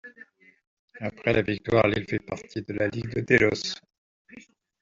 Après la victoire, l'île fit partie de la ligue de Délos.